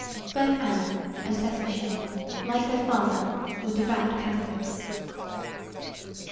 Both Anna and Tesselschade, like their father, were devout Catholics.